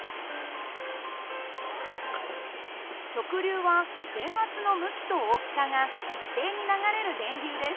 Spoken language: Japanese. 直流は電圧の向きと大きさが一定に流れる電流です。